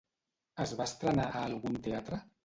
Es va estrenar a algun teatre?